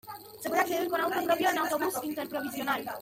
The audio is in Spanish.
Se puede acceder con auto propio o en autobús interprovincial.